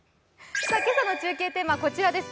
今朝の中継テーマ、こちらです。